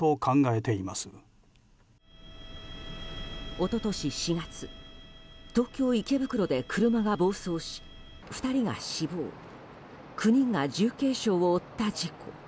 一昨年４月東京・池袋で車が暴走し２人が死亡９人が重軽傷を負った事故。